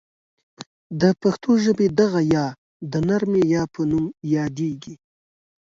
د پښتو ژبې دغه یا ی د نرمې یا په نوم یادیږي.